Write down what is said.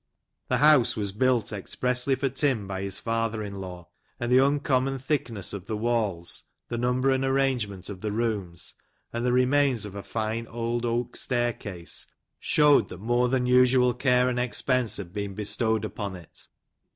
The house was built expressly for Tim, by his father in law ; and the uncom mon thickness of the walls, the number and arrangement of the rooms, and the remains of a line old oak staircase, showed that more than usual care and expense had been bestowed upon it.